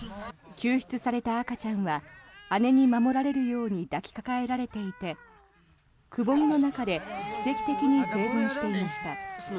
救出された赤ちゃんは姉に守られるように抱きかかえられていてくぼみの中で奇跡的に生存していました。